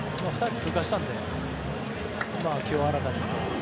２つ、通過したので気を新たに。